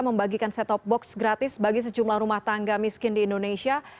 membagikan set top box gratis bagi sejumlah rumah tangga miskin di indonesia